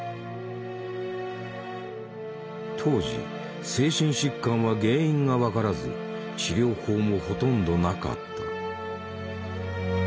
当時精神疾患は原因が分からず治療法もほとんどなかった。